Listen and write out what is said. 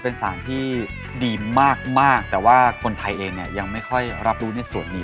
เป็นสารที่ดีมากแต่ว่าคนไทยเองเนี่ยยังไม่ค่อยรับรู้ในส่วนนี้